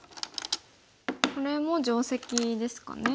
これも定石ですかね。